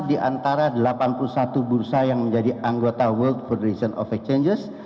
di antara delapan puluh satu bursa yang menjadi anggota world federation of exchanges